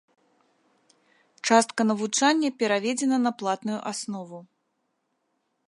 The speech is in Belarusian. Частка навучання пераведзена на платную аснову.